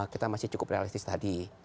kita masih cukup realistis tadi